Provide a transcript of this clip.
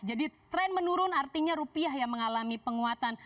jadi tren menurun artinya rupiah yang mengalami penguatan